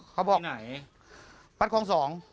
ภาครกอง๒